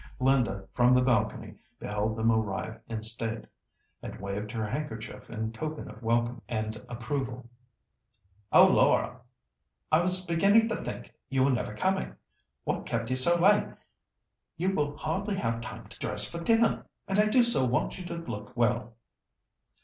Linda, from the balcony, beheld them arrive in state, and waved her handkerchief in token of welcome and approval. "Oh! Laura, I was beginning to think you were never coming. What kept you so late? You will hardly have time to dress for dinner, and I do so want you to look well."